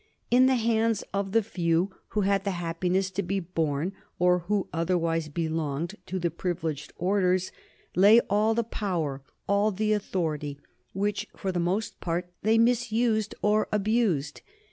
In the hands of the few who had the happiness to be "born," or who otherwise belonged to the privileged orders, lay all the power, all the authority which for the most part they misused or abused.